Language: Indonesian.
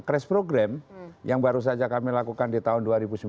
crash program yang baru saja kami lakukan di tahun dua ribu sembilan belas